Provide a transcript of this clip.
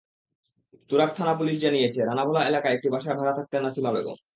তুরাগ থানার পুলিশ জানিয়েছে, রানাভোলা এলাকায় একটি বাসায় ভাড়া থাকতেন নাসিমা বেগম।